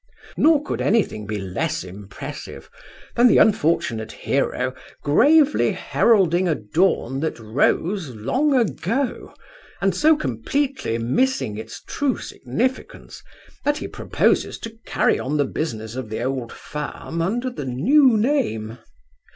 Nor could anything be less impressive than the unfortunate hero gravely heralding a dawn that rose long ago, and so completely missing its true significance that he proposes to carry on the business of the old firm under the new name.